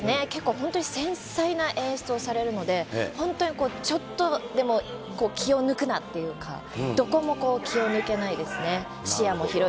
結構、繊細な演出をされるので、本当にちょっとでも気を抜くなっていうか、どこも気を抜けないですね。